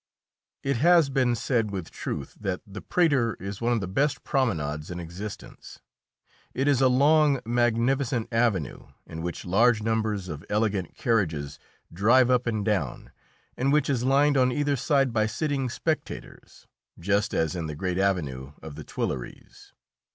It has been said with truth that the Prater is one of the best promenades in existence. It is a long, magnificent avenue in which large numbers of elegant carriages drive up and down, and which is lined on either side by sitting spectators, just as in the great avenue of the Tuileries.